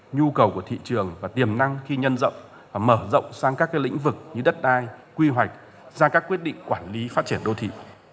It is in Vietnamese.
nhu cầu của thị trường và tiềm năng khi nhân rộng và mở rộng sang các lĩnh vực như đất đai quy hoạch ra các quyết định quản lý phát triển đô thị